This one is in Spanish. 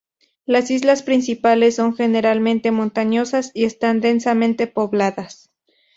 Las islas principales son generalmente montañosas y están densamente pobladas.